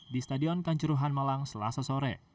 di stadion kanjuruhan malang selasa sore